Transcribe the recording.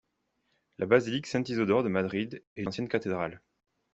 La basilique Saint-Isidore de Madrid est l'ancienne cathédrale.